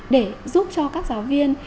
để giúp cho các giáo viên